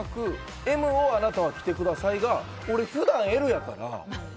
Ｍをあなたが着てください、が俺、普段Ｌやから。